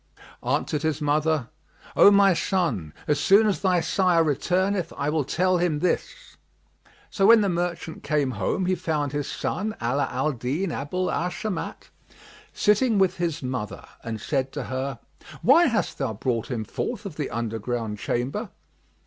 Answered his mother, "O my son, as soon as thy sire returneth I will tell him this." So when the merchant came home, he found his son Ala al Din Abu al Shamat sitting with his mother and said to her, "Why hast thou brought him forth of the underground chamber?"